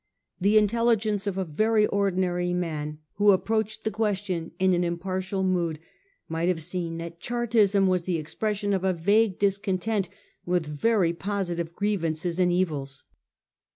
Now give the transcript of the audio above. The intelligence of a very ordi nary man who approached the question in an impar tial mood might have seen that Chartism was the expression of a vague discontent with very positive grievances and evils.